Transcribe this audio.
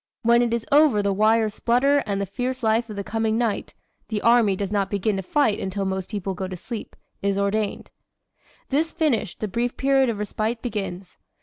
When it is over the wires splutter and the fierce life of the coming night the Army does not begin to fight until most people go to sleep is ordained. "This finished, the brief period of respite begins.